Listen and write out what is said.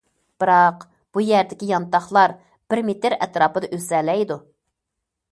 بىراق، بۇ يەردىكى يانتاقلار بىر مېتىر ئەتراپىدا ئۆسەلەيدۇ.